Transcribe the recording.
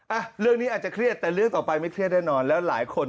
อ่ะเรื่องนี้อาจจะเครียดแต่เรื่องต่อไปไม่เครียดแน่นอนแล้วหลายคน